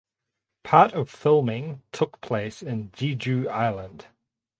Part of filming took place in Jeju Island.